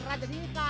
ibu akan dinggok dah